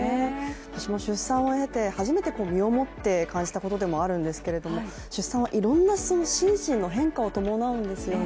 私も出産を経て、初めて身をもって感じたことでもあるんですけども出産はいろんな心身の変化を伴うんですよね。